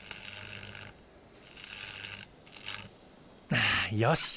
ああよし。